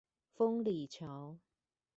豐里橋